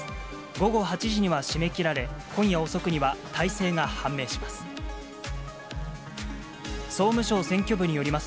午後８時には締め切られ、今夜遅くには大勢が判明します。